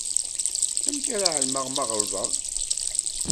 Amek ara εelmeɣ ma ɣelḍeɣ?